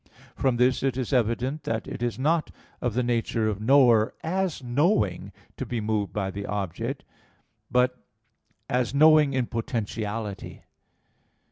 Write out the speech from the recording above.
From this it is evident that it is not of the nature of knower, as knowing, to be moved by the object, but as knowing in potentiality.